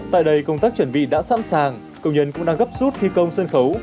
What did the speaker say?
tại đây công tác chuẩn bị đã sẵn sàng công nhân cũng đang gấp rút thi công sân khấu